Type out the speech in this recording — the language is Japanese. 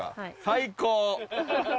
最高！